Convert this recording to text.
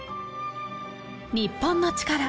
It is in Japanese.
『日本のチカラ』